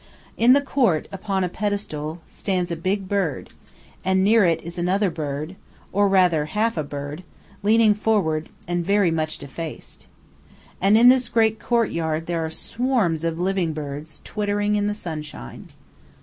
In the court, upon a pedestal, stands a big bird, and near it is another bird, or rather half of a bird, leaning forward, and very much defaced. And in this great courtyard there are swarms of living birds, twittering in the sunshine.